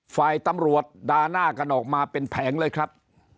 ฝ่ายตำรวจด่าหน้ากันออกมาเป็นแผงเลยครับ